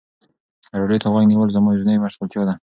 راډیو ته غوږ نیول زما یوازینی مشغولتیا ده.